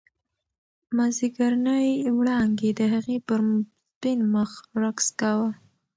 مازیګرنۍ وړانګې د هغې پر سپین مخ رقص کاوه.